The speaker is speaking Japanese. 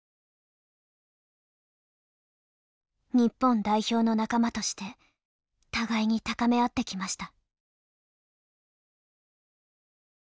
日本代表の仲間として互いに高め合ってきました。